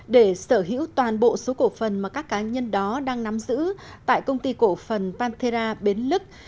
để sở hữu toàn bộ số cổ phần mà các cá nhân đó đang nắm giữ tại công ty cổ phần pantera bến lức